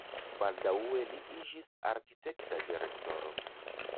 Baldaŭe li iĝis arkitekta direktoro.